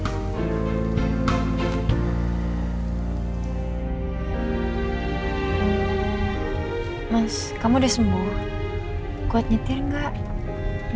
tapi aku seneng deh ngeliat catherine sama rindy udah weekend